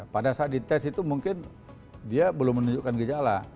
pada saat dites itu mungkin dia belum menunjukkan gejala